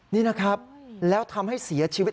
นี่นะครับแล้วทำให้เสียชีวิต